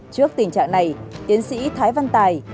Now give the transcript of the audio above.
trước tình trạng này tiến sĩ thái văn tài